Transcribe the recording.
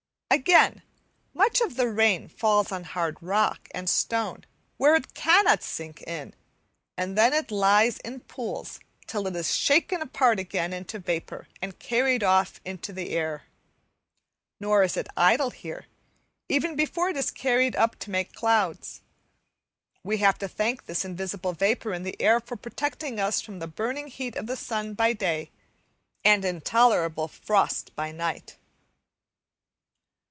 Again, much of the rain falls on hard rock and stone, where it cannot sink in, and then it lies in pools till it is shaken apart again into vapour and carried off in the air. Nor is it idle here, even before it is carried up to make clouds. We have to thank this invisible vapour in the air for protecting us from the burning heat of the sun by day and intolerable frost by night.